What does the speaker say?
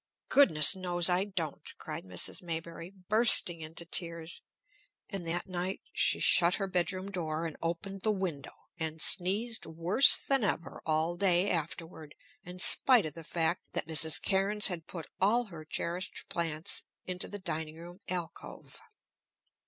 "Goodness knows I don't!" cried Mrs. Maybury, bursting into tears. And that night she shut her bedroom door and opened the window, and sneezed worse than ever all day afterward, in spite of the fact that Mrs. Cairnes had put all her cherished plants into the dining room alcove.